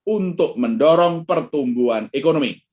untuk mendorong pertumbuhan ekonomi